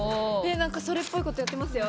なんかそれっぽいことやってますよ。